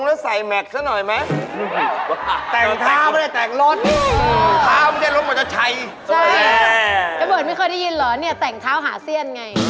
เฮียนไง